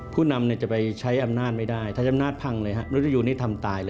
ผู้นำจะไปใช้อำนาจไม่ได้ถ้าอำนาจพังเลยฮะมนุษยูนี่ทำตายเลย